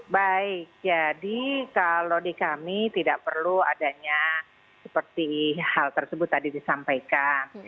baik jadi kalau di kami tidak perlu adanya seperti hal tersebut tadi disampaikan